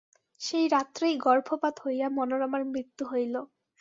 সেই রাত্রেই গর্ভপাত হইয়া মনোরমার মৃত্যু হইল।